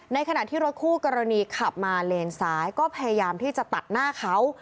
ขณะที่รถคู่กรณีขับมาเลนซ้ายก็พยายามที่จะตัดหน้าเขา